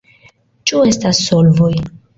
Ĉu estas solvoj?